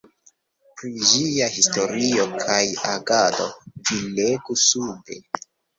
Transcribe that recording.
Pri ĝia historio kaj agado vi legu sube.